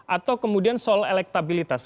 atau kemudian soal elektabilitas